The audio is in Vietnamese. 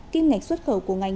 kim ngạch xuất khẩu của ngành